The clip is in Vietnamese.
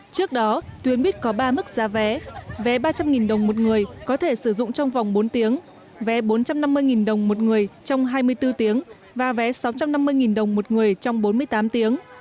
trước đó tuyến buýt có ba mức giá vé vé ba trăm linh đồng một người có thể sử dụng trong vòng bốn tiếng vé bốn trăm năm mươi đồng một người trong hai mươi bốn tiếng và vé sáu trăm năm mươi đồng một người trong bốn mươi tám tiếng